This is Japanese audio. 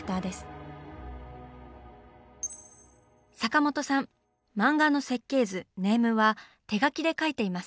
漫画の設計図「ネーム」は手描きで描いています。